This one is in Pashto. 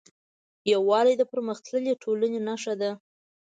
یووالی د پرمختللې ټولنې نښه ده.